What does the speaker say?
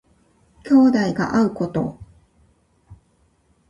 兄弟が会うこと。